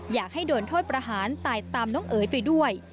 อยากให้โดนโทษประหารตายตามน้องเอ๋ยไปด้วย